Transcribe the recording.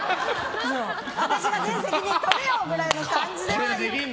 私が全責任とるよ！くらいの感じかも。